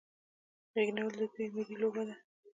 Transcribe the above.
غیږ نیول د دوی ملي لوبه ده.